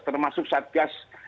termasuk satgas yang di sini